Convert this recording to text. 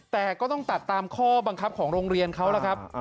แต่ก็ต้องตัดตามข้อบังคับของโรงเรียนเขาล่ะครับ